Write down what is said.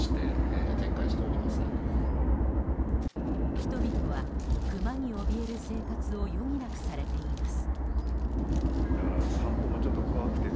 人々は、クマにおびえる生活を余儀なくされています。